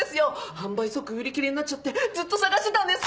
販売即売り切れになっちゃってずっと探してたんです！